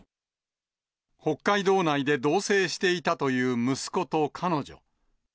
北海道内で同せいしていたという息子と彼女。